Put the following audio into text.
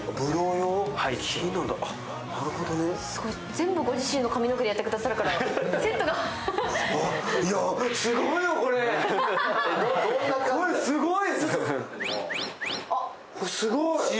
全部ご自身の髪の毛でやってくださるからセットがこれすごい。